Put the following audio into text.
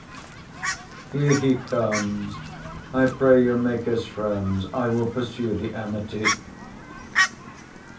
Here he comes; I pray you make us friends; I will pursue the amity.